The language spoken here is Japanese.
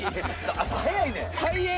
朝早いねん